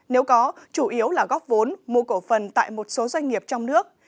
nếu có chủ yếu là góp vốn mua cổ phần tại một số doanh nghiệp trong nước